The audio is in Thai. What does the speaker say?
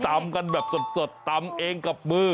ตำกันแบบสดตำเองกับมือ